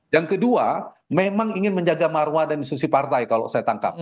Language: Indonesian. yang kedua memang ingin menjaga marwah dan institusi partai kalau saya tangkap